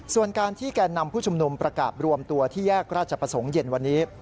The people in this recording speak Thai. ส่วนการที่แก่นำผู้ชุมนุมประกาศรวมตัวที่แยกราชประสงค์เย็นวันนี้